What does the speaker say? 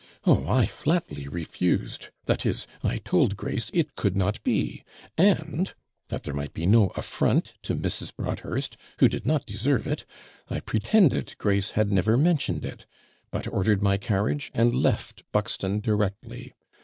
Oh, I flatly refused; that is, I told Grace it could not be; and, that there might be no affront to Mrs. Broadhurst, who did not deserve it, I pretended Grace had never mentioned it; but ordered my carriage, and left Buxton directly.